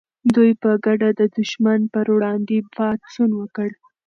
دوی په ګډه د دښمن پر وړاندې پاڅون وکړ.